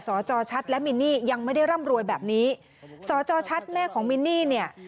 สจชัดและมินิยังไม่ได้ร่ำรวยแบบนี้สจชัดแม่ของมินิ